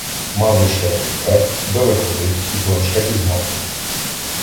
Мав лише револьвер, далековид і планшет із мапою.